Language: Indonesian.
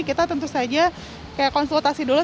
kita tentu saja kayak konsultasi dulu